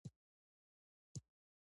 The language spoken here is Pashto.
له درملو یې پرېماني هدیرې کړې